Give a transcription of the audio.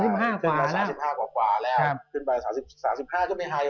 ขึ้นไป๓๕กว่าแล้วขึ้นไป๓๕ก็ไม่หาย